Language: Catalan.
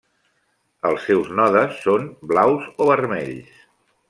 Els seus nodes són blaus o vermells.